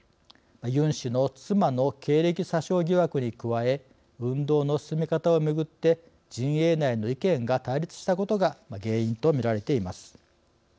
ユン氏の妻の経歴詐称疑惑に加え運動の進め方をめぐって陣営内の意見が対立したことが原因とみられています。